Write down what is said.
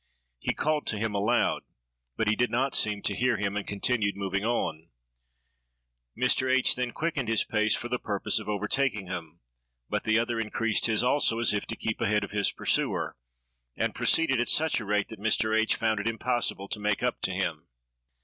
He called to him aloud; but he did not seem to hear him, and continued moving on. Mr. H—— then quickened his pace for the purpose of overtaking him; but the other increased his, also, as if to keep ahead of his pursuer, and proceeded at such a rate that Mr. H—— found it impossible to make up to him.